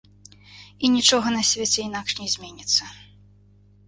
І нічога на свеце інакш не зменіцца.